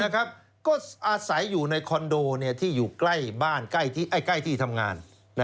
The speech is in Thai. ก็อาศัยอยู่ในคอนโดที่อยู่ใกล้บ้านใกล้ที่ทำงาน